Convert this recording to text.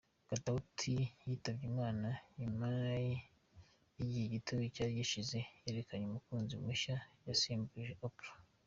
Katauti yitabye Imana nyuma y’igihe gito cyari gishize yerekanye umukunzi mushya yasimbuje Oprah.